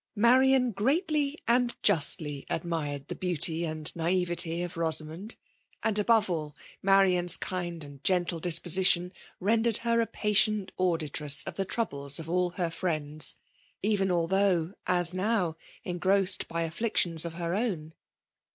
Marian greatly and justly admired the beauty and naivete of Bosamond; and above all^ Marian's kind and gentle disposition render^ her a patient auditress of the troubles of all her friends ; even although, as now, engrossed by afflictions of her own.